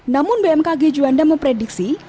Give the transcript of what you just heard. namun bmkg juanda memprediksi